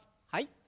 はい。